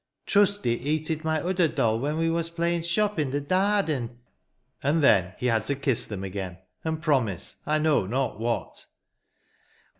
" Trusty" eated my odder doll, when we was playing' shop in de dardin." And then he had to kiss them again, and promise — I know not what.